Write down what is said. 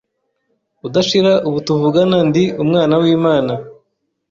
udashira ubu tuvugana ndi umwana w’Imana